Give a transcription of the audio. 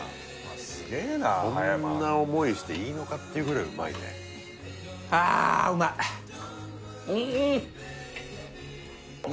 すげえな葉山こんな思いしていいのかっていうぐらいうまいねうん！